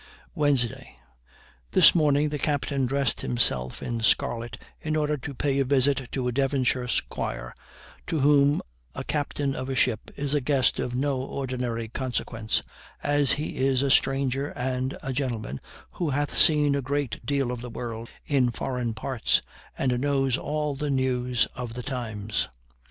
Wednesday. This morning the captain dressed himself in scarlet in order to pay a visit to a Devonshire squire, to whom a captain of a ship is a guest of no ordinary consequence, as he is a stranger and a gentleman, who hath seen a great deal of the world in foreign parts, and knows all the news of the times.